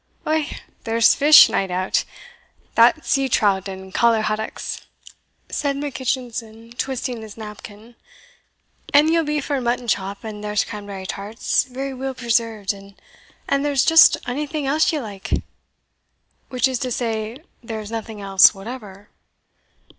"Ou, there's fish, nae doubt, that's sea trout and caller haddocks," said Mackitchinson, twisting his napkin; "and ye'll be for a mutton chop, and there's cranberry tarts, very weel preserved, and and there's just ony thing else ye like." "Which is to say, there is nothing else whatever?